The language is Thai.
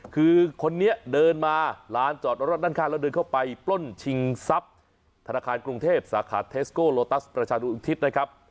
คือคนนี้เดินมาร้านจอดรถด้านข้างแล้วเดินเข้าไปปล้นชิงทรัพย์ธนาคารกรุงเทพสาขาเทสโกโลตัสประชาดุทิศนะครับ